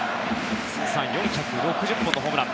通算４６０本のホームラン。